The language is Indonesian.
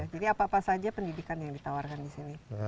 jadi apa apa saja pendidikan yang ditawarkan di sini